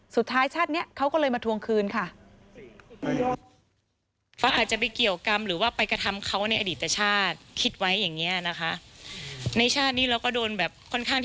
สุดท้ายชาตินี้เขาก็เลยมาทวงคืนค่ะ